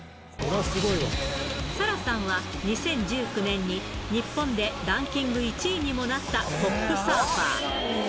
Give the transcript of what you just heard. サラさんは２０１９年に日本でランキング１位にもなったトップサーファー。